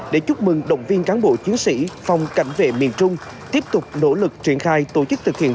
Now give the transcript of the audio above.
để chúc mừng động viên cán bộ chiến sĩ phòng cảnh vệ miền trung tiếp tục nỗ lực triển khai tổ chức thực hiện